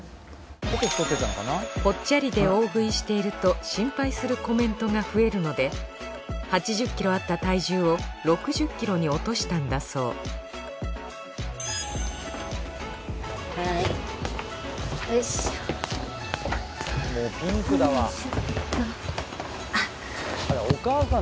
ぽっちゃりで大食いしていると心配するコメントが増えるので８０ｋｇあった体重を６０ｋｇに落としたんだそうもうピンクだわ。